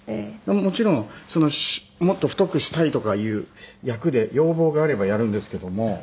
もちろんもっと太くしたいとかいう役で要望があればやるんですけども。